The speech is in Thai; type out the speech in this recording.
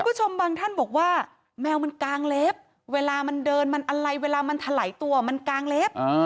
คุณผู้ชมบางท่านบอกว่าแมวมันกางเล็บเวลามันเดินมันอะไรเวลามันถลายตัวมันกางเล็บ